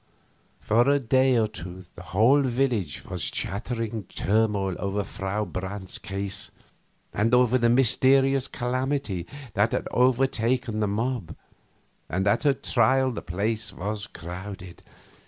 For a day or two the whole village was a chattering turmoil over Frau Brandt's case and over the mysterious calamity that had overtaken the mob, and at her trial the place was crowded.